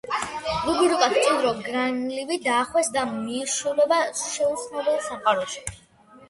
რუბი რუკას მჭიდრო გრაგნილივით დაახვევს და მიეშურება შეუცნობელ სამყაროში.